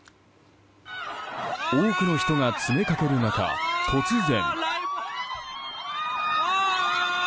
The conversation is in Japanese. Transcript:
多くの人が詰めかける中突然。